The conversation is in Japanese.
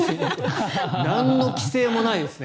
なんの規制もないですね。